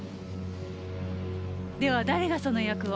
では誰がその役を。